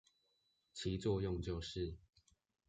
其作用就是